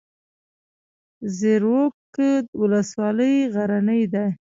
زیروک ولسوالۍ غرنۍ ده؟